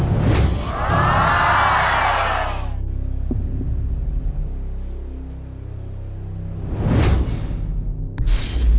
ใช่